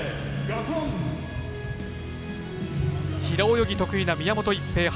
平泳ぎ得意な宮本一平。